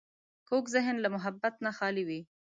کوږ ذهن له محبت نه خالي وي